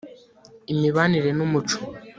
imibanire n'umuco